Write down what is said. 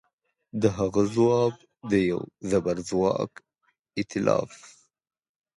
د هغه ځواب د یوه زبرځواک ایتلاف